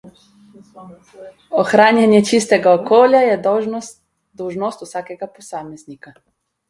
Ohranjanje čistega okolja je dolžnost vsakega posameznika.